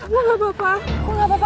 kamu gak apa apa